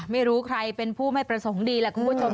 ไม่รู้ใครเป็นผู้ไม่ประสงค์ดีแหละคุณผู้ชม